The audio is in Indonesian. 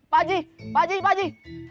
pak ji pak ji pak ji